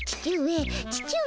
父上。